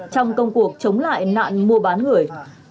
trong công cuộc chống lại nạn mua bán người